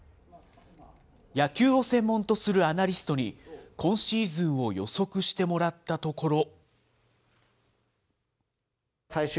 野球を専門とするアナリストに、今シーズンを予測してもらったところ。